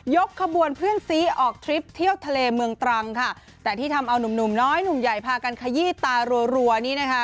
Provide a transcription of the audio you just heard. ขบวนเพื่อนซีออกทริปเที่ยวทะเลเมืองตรังค่ะแต่ที่ทำเอานุ่มหนุ่มน้อยหนุ่มใหญ่พากันขยี้ตารัวนี่นะคะ